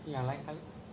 yang lain kali